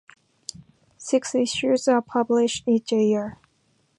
Six issues are published each year.